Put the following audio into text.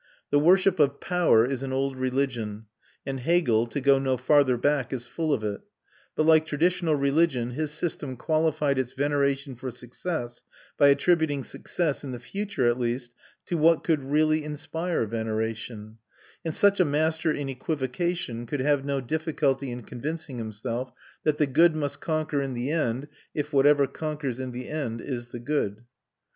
The worship of power is an old religion, and Hegel, to go no farther back, is full of it; but like traditional religion his system qualified its veneration for success by attributing success, in the future at least, to what could really inspire veneration; and such a master in equivocation could have no difficulty in convincing himself that the good must conquer in the end if whatever conquers in the end is the good.